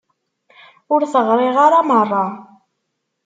Ur t-ɣriɣ ara merra.